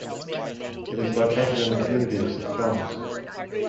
It is located in the community of St. Johns.